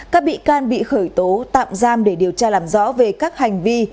các bị can bị khởi tố tạm giam để điều tra làm rõ về các hành vi